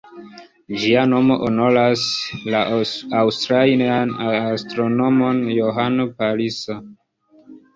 Ĝia nomo honoras la aŭstrian astronomon Johann Palisa.